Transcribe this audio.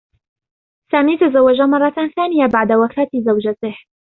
سامي تزوّج مرّة ثانية بعد وفاة زوجته.